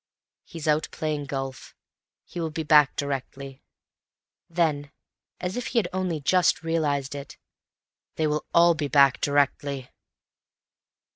"He's out playing golf. He will be back directly." Then, as if he had only just realized it, "They will all be back directly."